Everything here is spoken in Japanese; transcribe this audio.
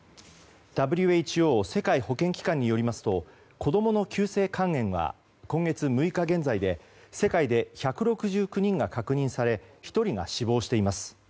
ＷＨＯ・世界保健機関によりますと子供の急性肝炎は今月６日現在で世界で１６９人が確認され１人が死亡しています。